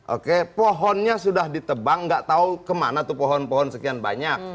oke pohonnya sudah ditebang nggak tahu kemana tuh pohon pohon sekian banyak